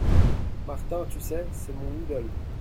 Martin, tu sais ? c’est mon idole !…